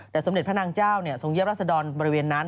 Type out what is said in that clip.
แต่สมเด็จพระนางเจ้าทรงเยียรัศดรบริเวณนั้น